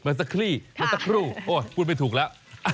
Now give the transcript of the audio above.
มัสกรีมัสกรูโอ้ยพูดไม่ถูกแล้ว